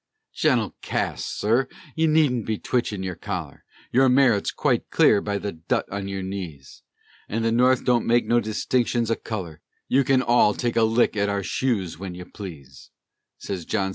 "Gen'nle Cass, Sir, you needn't be twitchin' your collar, Your merit's quite clear by the dut on your knees, At the North we don't make no distinctions o' color; You can all take a lick at our shoes wen you please," Sez John C.